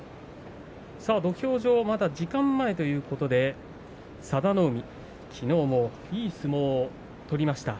土俵上、時間前ということで佐田の海きのうもいい相撲を取りました。